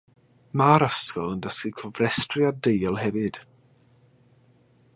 Mae'r ysgol yn dysgu cofrestriad deuol hefyd.